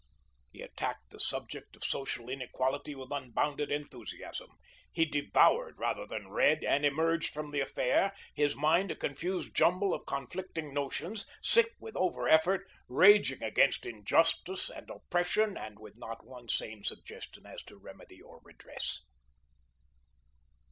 He attacked the subject of Social Inequality with unbounded enthusiasm. He devoured, rather than read, and emerged from the affair, his mind a confused jumble of conflicting notions, sick with over effort, raging against injustice and oppression, and with not one sane suggestion as to remedy or redress.